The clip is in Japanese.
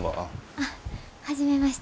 あっ初めまして。